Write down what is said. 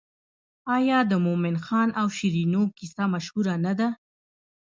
آیا د مومن خان او شیرینو کیسه مشهوره نه ده؟